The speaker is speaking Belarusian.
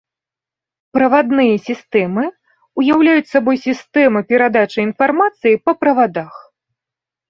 Правадныя сістэмы ўяўляюць сабой сістэмы перадачы інфармацыі па правадах.